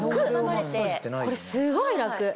これすごい楽。